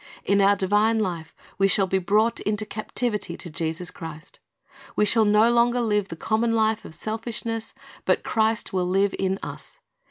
In our divine life we shall be brought into captivity to Jesus Christ. We shall no longer li\'e the common life of selfishness, but Christ will live in us.